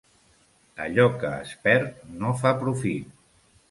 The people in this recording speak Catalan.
Allò que es perd no fa profit.